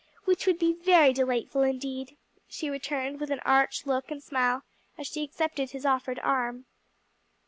"Which would be very delightful indeed," she returned with an arch look and smile as she accepted his offered arm.